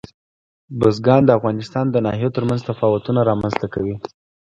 بزګان د افغانستان د ناحیو ترمنځ تفاوتونه رامنځ ته کوي.